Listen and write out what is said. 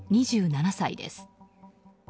２７歳です。